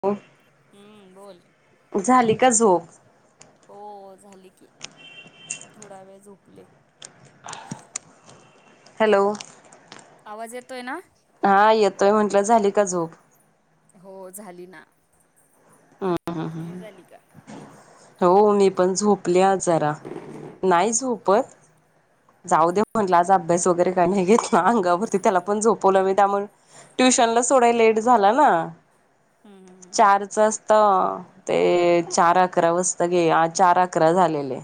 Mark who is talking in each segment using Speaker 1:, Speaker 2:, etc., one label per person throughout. Speaker 1: [unintelligible]
Speaker 2: हम्म बोल.
Speaker 1: झाली का झोप
Speaker 2: हो झाली की. थोडा वेळ झोपले.
Speaker 1: हॅलो.
Speaker 2: आवाज येतोय ना.
Speaker 1: हा येतोय म्हंटलं झाली का? झोप.
Speaker 2: हो झाली ना तुझी झाली का?
Speaker 1: हो मी पण झोपले आज जरा नाही झोपत. जाऊ दे म्हणलं आज अभ्यास वगैरे काही नाही घेतला. अंगावरती त्याला पण झोपवलं म त्यामुळे ट्युशनला सोडायला लेट झाला ना.
Speaker 2: हम्म हम्म हम्म
Speaker 1: चार च असत, ते चार अकरा वाजता घे, आ चार अकरा झालेले.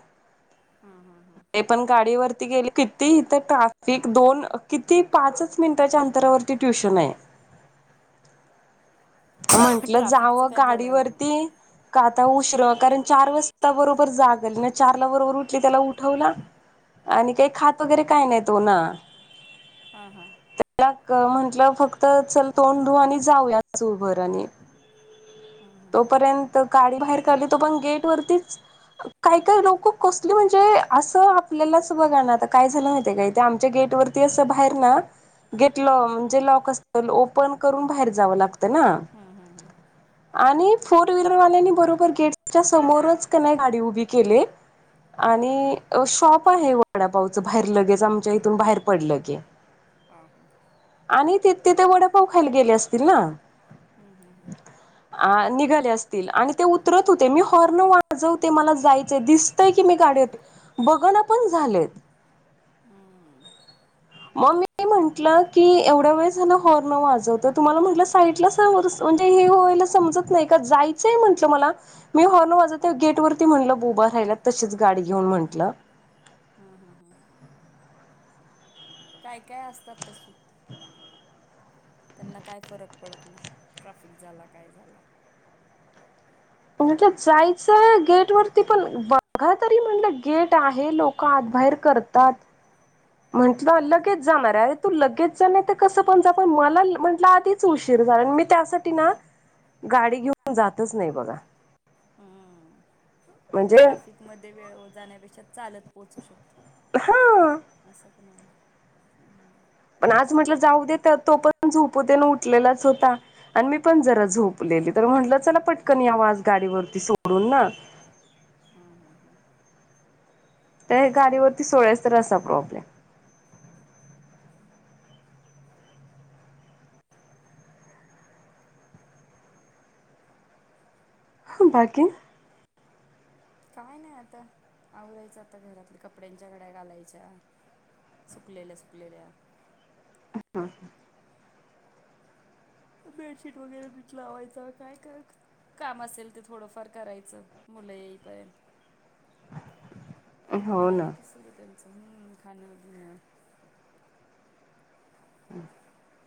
Speaker 2: हा हा हा.
Speaker 1: ते पण गाडीवरती गेले, किती इथं ट्राफिक, दोन किती पाच मिनिटाच्या अंतरावरती ती ट्यूशन आहे. म्हंटलं
Speaker 2: ट्राफिकचं
Speaker 1: जावं
Speaker 2: काय बोलायला नको.
Speaker 1: गाडीवरती. का आता उशीर कारण चार वास्ता बरोबर जाग आली ना, चारला बरोबर उठली त्याला उ हो ना, आणि काही खात वगैरे काय नाही तो ना.
Speaker 2: हा हां.
Speaker 1: त्याला म्हंटलं फक्त चल तोंड धू आणि जाऊयाच चुळ उभर आणि.
Speaker 2: हम्म हम्म
Speaker 1: तोपर्यंत गाडी बाहेर काढली, तो पण गेट वरतीच. काय काय लोक कसली म्हणजे, असं आपल्यालाच बघाणं आता काय झालं माहिते? काय ते आमच्या गेटवर ती असं बाहेर ना गेट लॉ, म्हणजे लॉक अस ओपन करून बाहेर जावं लागतं ना!
Speaker 2: हा हा हा.
Speaker 1: आणि फोर व्हीलरवाल्यांनी बरोबर गेटच्या समोरच, कणी नाही गाडी उभी केली.
Speaker 2: हा हा
Speaker 1: आणि शॉप आहे वडापावचं बाहेर लगेच आमच्या इथून बाहेर पडलं की
Speaker 2: हा हा
Speaker 1: आणि ते तीथ वडपाव खायला गेले असतील ना.
Speaker 2: हम्म हम्म हम्म.
Speaker 1: अ निघाले असतील, आणि ते उतरत होते मी हॉर्न वाजवते मला जायचंय दिसतंय की मी गाडी होते. बग ना पण झालेत.
Speaker 2: हम्म
Speaker 1: मग मी म्हट की एवढ वेळ झालं हॉर्न वाजवते ततुम्हाला म्हटलं साईडला. नाही का? जायचंय म्हंटलं मला मी हॉर्न वाजतते, गेट वरती म्हटलं बुबा राहिला तशीच गाडी घेऊन म्हंटलं.
Speaker 2: हा हा हा काय काय असतात तसे. त्यांना काय फरक पडत नाही, ट्राफिक झाला काय झाला
Speaker 1: म्हटलं जायचंय गेट वरती, पण बघा तरी म्हटलं गेट आहे लोक लोक आत बाहेर करतात.. म्हंटलं
Speaker 2: हा ना.
Speaker 1: लगेच जाणार आहे, अरे तू लगेच जा नाही तर कसं पण जा, पण मला म्हटलं आधीच उशीर झाला आणि मी त्यासाठी ना गाडी घेऊन जातच नाही बघा. म्हणजे
Speaker 2: ट्राफिक मध्ये वेळ जाण्यापेक्षा, चालत पोहोचू
Speaker 1: हा
Speaker 2: शकतो असं पण हाय.
Speaker 1: पण आज म्हटलं जाऊ देेत, तो पण झोपू दे उठलेलाच होता. आणि मी पण जरा झोपलेली, तर म्हटलं चला पटकन आवाज गाडीवरती सोडून ना.
Speaker 2: हा हा हा.
Speaker 1: तर गाडीवरती सोळ्याच तर असा प्रॉब्लेम. बाकी.
Speaker 2: काय नाही आता आवरायचं आता घरातल्या कपड्यांच्या गड्या घालायच्या.. सुकलेल्या सुकलेल्या.
Speaker 1: [unintelligible]
Speaker 2: बेडशीट वगैरे निट लावायचं काय कर काम असेल ते थोडंफार करायचं, मुलं येईपर्यंत
Speaker 1: [inaudible]
Speaker 2: मुलं
Speaker 1: ना.
Speaker 2: आले की सुरू त्यांचं हम् खाणं पिणं
Speaker 1: [inaudible]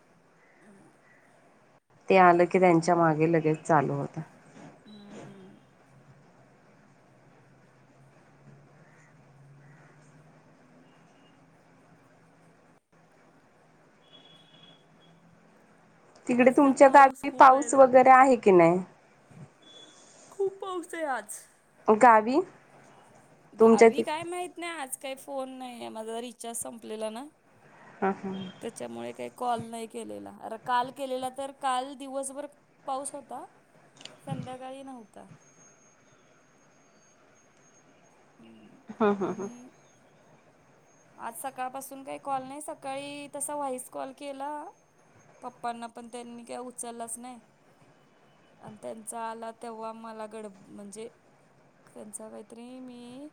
Speaker 2: [unintelligible]
Speaker 1: ते आलं की त्यांच्या मागे लगेच चालू होतं.
Speaker 2: हं.
Speaker 1: तिकडे
Speaker 2: आज त्यात
Speaker 1: तुमच्या
Speaker 2: पाऊस
Speaker 1: गावी
Speaker 2: खूप आहे
Speaker 1: पाऊस
Speaker 2: ना
Speaker 1: वगैरे आहे की नाय.
Speaker 2: खूप पाऊसे आज.
Speaker 1: गावी तुमच्या ति
Speaker 2: गावी काय माहित नाय आज काई फोन नाईये माझा रिचार्ज संपलेला ना.
Speaker 1: हां हां.
Speaker 2: त्याच्यामुळे काई कॉल नाई केलेला अर काल केलेला तर काल दिवसभर पाऊस होता संध्याकाळी नव्हता. आणि आज सकाळपासून काई कॉल नाय सकाळी तसा व्हॉइस कॉल केला पप्पांना पण त्यांनी काय उचललाच नाय. अन् त्यांचा आला तेव्हा मला गड म्हंजे. त्यांच काईतरी मी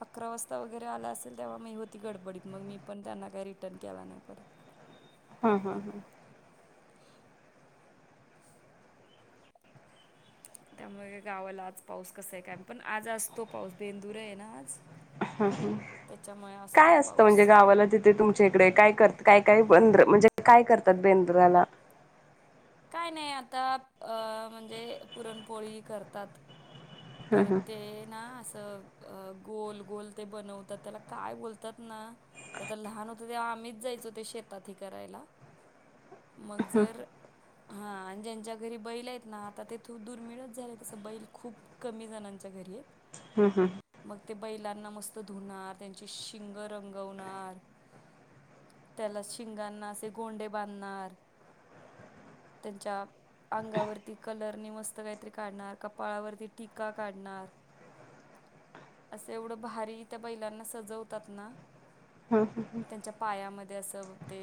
Speaker 2: अकरा वाजता वगैरे आला असेल. तेव्हा मी होती गडबडीत मग मी पण त्यांना काय रिटर्न केला नाय परत.
Speaker 1: हा हा हा.
Speaker 2: त्यामुळे काय गावाला आज पाऊस कसाय काय पण आज असतो पाऊस बेंदूराय ना आज.
Speaker 1: ह हं
Speaker 2: त्याच्यामुळे असतो
Speaker 1: काय असतं
Speaker 2: पाऊस
Speaker 1: म्हणजे गावाला तिथे तुम् -च्याइकडे काय करत काय काय बंद्र म्हणजे काय करतात बेंद्राला?
Speaker 2: काय नाय आता अ म्हणजे पुरणपोळी करतात. परत ते ना असं. अ गोल गोल ते बनवतात त्याला काय बोलतात ना त ता लहान होतो तेव्हा आम्हीच जायचो ते शेतात हे करायला.
Speaker 1: [inaudible]
Speaker 2: मंग जर हा आन ज्यांच्या घरी बैलायत ना आता ते दुर्मिळच झाले तसं बैल खूप कमी जणांच्या घरीयेत.
Speaker 1: हम् हम्.
Speaker 2: मग ते बैलांना मस्त धुणार त्यांची शिंग रंगवणार. त्याला शिंगांना असे गोंडे बांधणार. त्यांच्या अंगावरती कलरने मस्त काईतरी काढणार कपाळावरती टिक् -का काढणार. असं एवढं भारी त्या बैलांना सजवतात ना
Speaker 1: हम ह ह.
Speaker 2: त्यांच्या पायामध्ये असं ते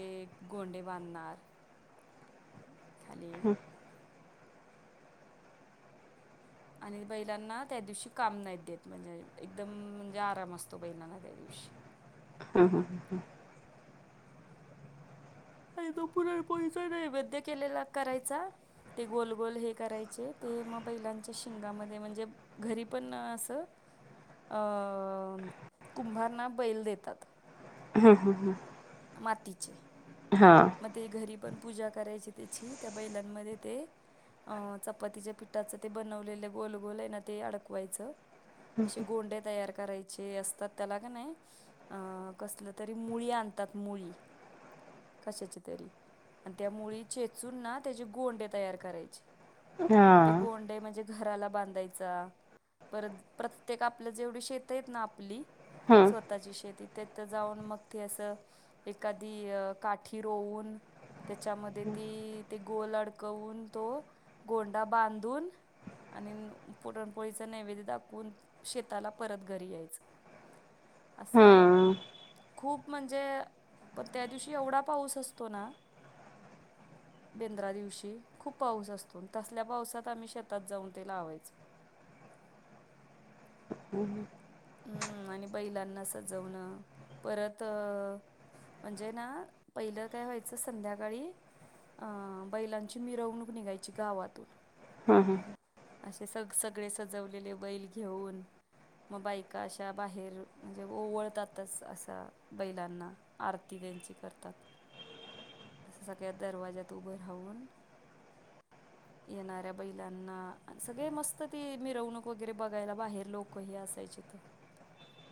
Speaker 2: गोंडे बांधणार खाली. आणि बैलांना त्या दिवशी काम नाईत देत म्हणजे एकदम म्हणजे आराम असतो बैलांना त्या दिवशी.
Speaker 1: हा हा हा हा.
Speaker 2: आणि तो पुरण पोळीचा नेवेद्या केलेला करायचा. ते गोलगोल हे करायचे ते म बैलांच्या शिंगामध्ये म्हणजे घरी पण असं अं कुंभार ना बैल देतात.
Speaker 1: हं हं हं.
Speaker 2: मातीचे.
Speaker 1: हा आ
Speaker 2: मग ते घरी पण पूजा करायची त्याची, त्या बैलांमध्ये ते- अं चपातीच्या पिठाचं ते बनवलेलं गोलगोल आहे ना ते अडकवायचं. असे गोंडे तयार करायचे. असतात त्याला का नाही कसलं तरी मुळी आणतात मुळी. कशाची तरी आणि त्या मुळी चेचून ना त्याचे गोंडे तयार करायचे.
Speaker 1: हा
Speaker 2: ते गोंडे म्हणजे घराला बांधायचा परत प्रत्येक आपलं जेवढी शेत आहेत ना आपली.
Speaker 1: हम्म
Speaker 2: स्वतःची शेती तेथ जाऊन मग ते असं एखादी, काठी रोउन त्यांच्यामध्ये ती ते गोल अडकवून तो गोंडा बांधून, आणि पुरणपोळीचं नैवेद्य दाखवून शेताला परत घरी यायचं‌.
Speaker 1: ह [inaudible]
Speaker 2: असं खुप म्हणजे प्रत्येक दिवशी एवढा पाऊस असतो ना.
Speaker 1: ह [inaudible]
Speaker 2: बेंद्रा दिवशी खूप पाऊस असतो. तसल्या पावसात आम्ही शेतात जाऊन ते लावायचो.
Speaker 1: हम् ह [inaudible]
Speaker 2: हम्म आणि बैलांना सजवणं परत अ म्हणजे ना पहिलं काय व्हायचं संध्याकाळी. आं बैलांची मिरवणूक निघायची गावात.
Speaker 1: हा
Speaker 2: अशे सगळे सजवलेले बैल घेऊन. मग बायका अशा बाहेर म्हणजे ओवाळतातच असा बैलांना आरती त्यांची करतात. असं सगळ्या दरवाज्यात उभा राहून
Speaker 1: हं [inaudible]
Speaker 2: येणाऱ्या बैलांना सगळे मस्त ती मिरवणूक वगैरे बघायला बाहेर लोकही असायची.
Speaker 1: हं [inaudible]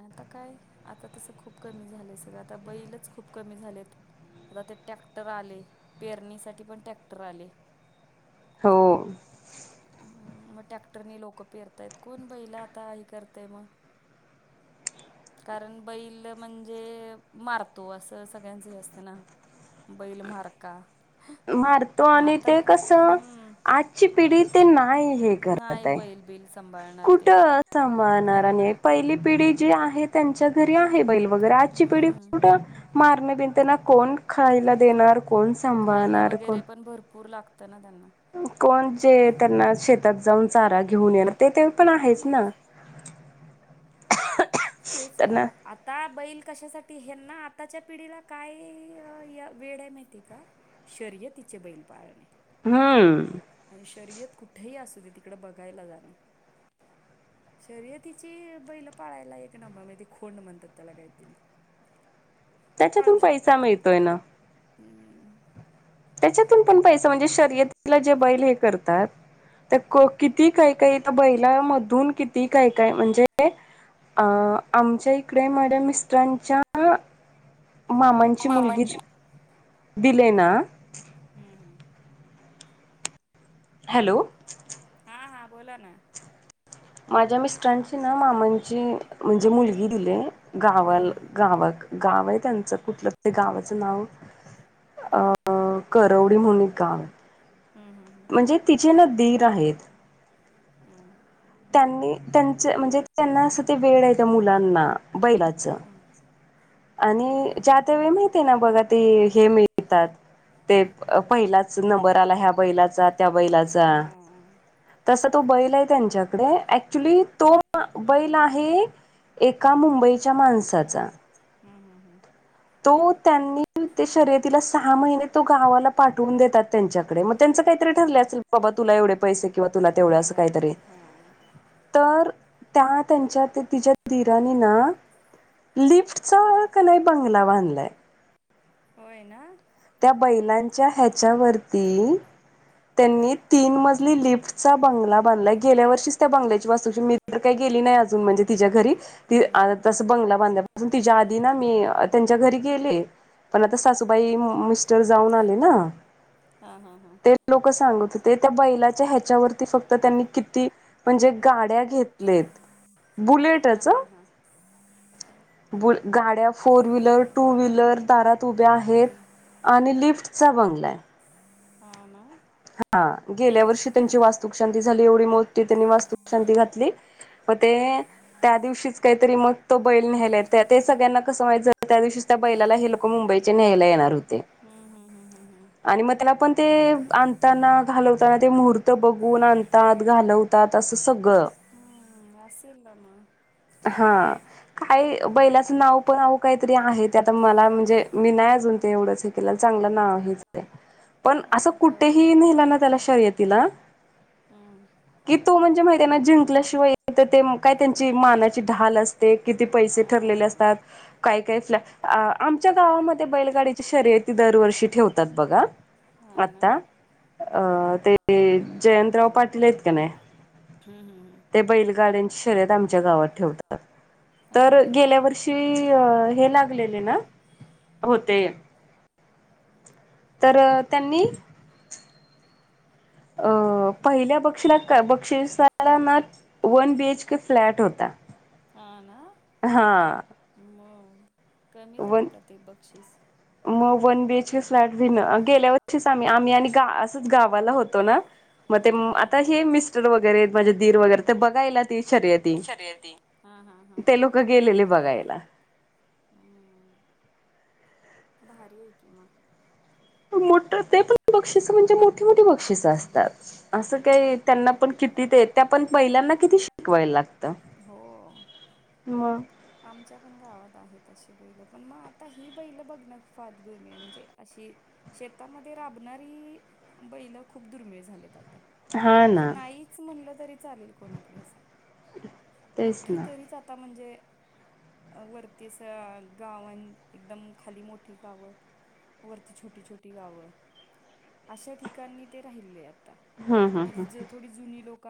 Speaker 2: आता काय आता तसं खूप कमी झालंय सगळं आता बैलच खूप कमी झालेत. आता ते टॅक्टर आले, पेरणीसाठी पण टॅक्टर आले.
Speaker 1: हो..
Speaker 2: मग टॅक्टरनी लोक पेरतायत कोण बैलं आता हे करतय मग.
Speaker 1: ह [inaudible]
Speaker 2: कारण बैल म्हणजे [unintelligible] तो असं सगळ्यांचं हे असतना बैल म्हारका.
Speaker 1: मारतो आणि ते कसं,
Speaker 2: हम्म
Speaker 1: आजची पिढी ते नाही
Speaker 2: नाही
Speaker 1: हे.
Speaker 2: बैल बिल सांभाळणार ते
Speaker 1: कुठं सांभाळणार
Speaker 2: त्यांना
Speaker 1: आणि पहिली पिढी जी आहे त्यांच्या घरी आहे बैल वगैरे आजची पिढी
Speaker 2: हम्म
Speaker 1: कुठं मारणे बिन त्यांना कोण खायला देणार कोण
Speaker 2: खायला
Speaker 1: सांभाळणार. कोण
Speaker 2: वगैरे पण भरपूर लागत ना त्यांना.
Speaker 1: कोण जे त्यांना शेतात जाऊन चारा घेऊन येेणार. ते तरी पण आहेच ना.
Speaker 2: तेच ना.
Speaker 1: त्यांना
Speaker 2: आता बैल कशासाठी हेंना, आताच्या पिढीला काय वेड आहे माहिती आहे का? शर्यतीचे बैल पाळणे
Speaker 1: हम्म.
Speaker 2: आणि शर्यत कुठे हि असूदे तिकडे बघायला जाणे शर्यतीची बैल पाळायला, एक नंबर म्हणजे ते खोंड म्हणतात त्याला काय तरी
Speaker 1: त्याच्यातून पैसा मिळतोय ना
Speaker 2: हम्.
Speaker 1: त्याच्यातून पण पैसा, म्हणजे शर्यतीला जे बैल हे करतात तर किती काय काय म्हणजे एक बैलामधून किती काय काय म्हणजे अ आमच्या इकडे माझ्या मिस्टरांच्या मामांची मुलगी दिले ना
Speaker 2: हम्म हम.
Speaker 1: हॅलो!
Speaker 2: हा हा, बोला ना
Speaker 1: माझ्या मिस्टरांची ना, मामांची म्हणजे मुलगी दिलिये,
Speaker 2: हम्म
Speaker 1: गावाला
Speaker 2: हम्म
Speaker 1: गावक गाव आहे त्यांचं कुठलं, ते गावाचं नाव?? अ करवडी म्हूणन गाव आहे
Speaker 2: हम्म हम्म. हम्म.
Speaker 1: म्हणजे, तिचे ना दीर आहेत.
Speaker 2: हम्म.
Speaker 1: त्यांनी त्यांच म्हणजे त्यांना असं ते वेड आहेे त्या मुलांना, बैलाचं
Speaker 2: हं.
Speaker 1: आणि ज्या वेळेत माहिती ना बघा ते हे मिळतात ते पहिलाच पाहिलाच नंबर आला, ह्या बैलाचा त्या बैलाचा
Speaker 2: बैलाचा
Speaker 1: तसा तो बैल आहे त्यांच्याकडे, ऍक्च्युली तो बैल आहे एका मुंबईच्या माणसाचा
Speaker 2: हम् हम हम.
Speaker 1: तो त्यांनी ते शर्यतीला सहा महिने तो गावाला पाठवून देतात त्यांच्याकडे, मग त्यांच काहीतरी ठरलं
Speaker 2: हां
Speaker 1: असेल बाबा तुला एवढे पैसे, किंवा तुला तेवढं असं काहीतरी
Speaker 2: हा.
Speaker 1: तर त्या त्यांच्या ते तिच्या दिराणी ना. लिफ्टचा कणीय बंगला बांधलाय.
Speaker 2: होय ना,
Speaker 1: त्या बैलांच्या ह्याच्यावरती, त्यांनी तीन मजली लिफ्टचा बंगला बांधलाय, गेल्या वर्षीच त्या बंगल्याची वास्तूची शांती मी तर काही गेली नाही अजून म्हणजे तिच्या घरी
Speaker 2: हम्म हम्म
Speaker 1: तस बंगला बांधल्यापासून, तिच्या आधी ना मी त्यांच्या घरी गेले पण आता सासूबाई, मिस्टर जाऊन आले ना.
Speaker 2: हा हा हा.
Speaker 1: ते लोक सांगत होते, त्या बैलाच्या ह्याच्यावरती फक्त त्यांनी किती म्हणजे गाड्या घेतलेत
Speaker 2: हां
Speaker 1: बुलेटच हा-
Speaker 2: हां हां
Speaker 1: गाड्या फोर व्हीलर, टू व्हीलर, दारात उभ्या
Speaker 2: हां
Speaker 1: आहेत.
Speaker 2: हां
Speaker 1: आणि लिफ्टचा बंगला आहे.
Speaker 2: ह ना?
Speaker 1: हा गेल्या वर्षी त्यांची वास्तु शांती झाली, एवढी मोठी त्यांनी वास्तु शांती घातली म ते त्या दिवशीच काहीतरी मग तो बैल नेलेय त्या ते सगळ्यांना कस माहित त्या दिवशीच त्या बैला हेल. मुंबईच्या न्यायला येणार होते.
Speaker 2: हम्म हम हम् हम हम्.
Speaker 1: आणि मग त्याला पण ते आण आनताना घालवताना ते मुहूर्त बघून आणतात घालवतात असं सगळं.
Speaker 2: हं.
Speaker 1: हा काय बैलाचं नाव पण अहो काहीतरी आहेत. ते आता मला म्हणजे मी नाही अजून ते
Speaker 2: हम्म
Speaker 1: एवढंच हे केलं चांगलं नाव हेच. पण असं
Speaker 2: हां ठेवते
Speaker 1: कुठेही नेला नाही त्याला शर्यतीला.
Speaker 2: हा.
Speaker 1: कि तो म्हणजे माहि त्यांना जिंकल्याशिवाय येत ते काय त्यांचि माना. ढाल असते किती पैसे ठरलेले असतात काय काय फ्लॅ अ आमच्या गावामध्ये बैलगाडीच्या शर्यती दरवर्षी. ठेवतात बघा
Speaker 2: हा ना
Speaker 1: आता अ ते जयंत पाटील. नाही
Speaker 2: हम्म हम्म हम्म
Speaker 1: ते बैलगाड्यांची शर्यत आमच्या गावात ठेवतात.
Speaker 2: हा
Speaker 1: तर
Speaker 2: हा
Speaker 1: गेल्या वर्षी हे लागलेले ना होते. तर त्यांनी अ पहिल्या बक्षीसला वन बीएच के फ्लॅट होता.
Speaker 2: ह ना.
Speaker 1: हा.
Speaker 2: मग कमी
Speaker 1: वन
Speaker 2: झालं का ते बक्षीस.
Speaker 1: मग one BH K flat win गेल्या वर्षीच आम्ही आम्ही आणि असंच गावाला होतो ना. मग ते
Speaker 2: हम्म हम्म हम्म
Speaker 1: आता हे मिस्टर वगैरे माझे दीर वगैरे तर बघायला ती शर्येत
Speaker 2: शर्यती हम हम हम् हम.
Speaker 1: गेलेले बघायला.
Speaker 2: हम्म भारी आहे की मग.
Speaker 1: मोठ ते पण बक्षिस मोठी मोठी बक्षिस असतात.
Speaker 2: हम्म
Speaker 1: असं काही त्यांना पण कितीते. पण बैलांना किती शिकवायला
Speaker 2: हो
Speaker 1: मग.
Speaker 2: आमच्या पण गावात आहेत अशी बैल पण मग आता ही बैल बघणं फार दुर्मीिळ आहे म्हणजे अशी. शेतामध्ये राबणारी बैल खूप दुर्मिळ झालेत आता.
Speaker 1: हा
Speaker 2: जे
Speaker 1: ना
Speaker 2: नाहीच म्हणलं तरी चालेल कोणाकडे असं
Speaker 1: तेच
Speaker 2: कुठ
Speaker 1: ना
Speaker 2: तरीच आता म्हणजे वरती अस गाव एकदम खाली मोठी गावं वरती छोटी छोटी गाव अशा ठिकाणी ते राहिले आता.
Speaker 1: हम्म हम्म हम्म.
Speaker 2: किती ज थोडी जुनी लोका